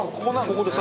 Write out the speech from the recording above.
ここです。